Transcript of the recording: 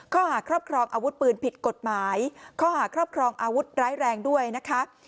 ข้อหาครอบครองอาวุธปืนผิดกฎหมายข้อหาครอบครองอาวุธร้ายแรงด้วยนะคะ